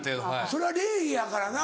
それは礼儀やからな。